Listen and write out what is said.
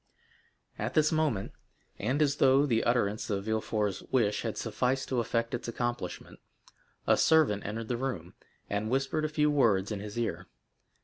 At this moment, and as though the utterance of Villefort's wish had sufficed to effect its accomplishment, a servant entered the room, and whispered a few words in his ear.